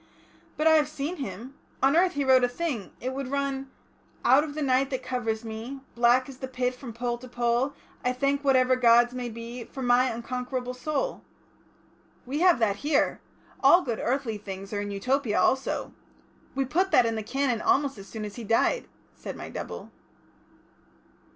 But I have seen him. On earth he wrote a thing ... it would run "Out of the night that covers me, Black as the pit from pole to pole, I thank whatever Gods may be, For my unconquerable soul...." "We have that here. All good earthly things are in Utopia also. We put that in the Canon almost as soon as he died," said my double.